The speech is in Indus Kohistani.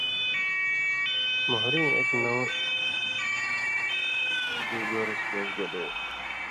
مہریں ایک نؤں چُکیۡ گورسی مژ گلے